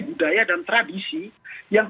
budaya dan tradisi yang